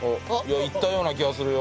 いったような気がするよ。